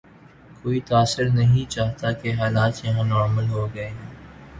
کوئی تاثر نہیں جاتا کہ حالات یہاں نارمل ہو گئے ہیں۔